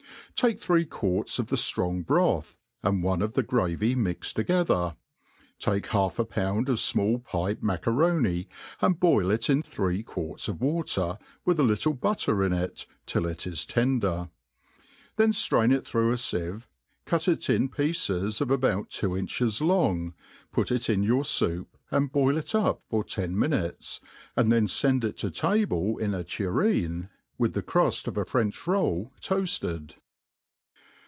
TAKE three quarts of the ftrong broth, and one of the gravy mixed together ; take half a pound of fmall pipe maca* roni, and boil it in three quarts of water, with a little butter in it, till it is tender ; then ftrain it through a iieve, cut it in pieces of abouttwo inches long, put it in your foup, and boil it up for ten minutes, and then fend it to table in a tureen> With the cruft of a French roll toafted.